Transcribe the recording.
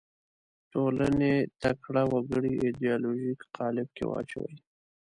ټولنې تکړه وګړي ایدیالوژیک قالب کې واچوي